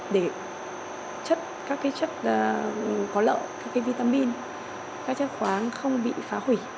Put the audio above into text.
để chất các chất có lợi các vitamin các chất khoáng không bị phá hủy